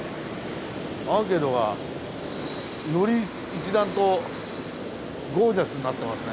アーケードがより一段とゴージャスになってますね。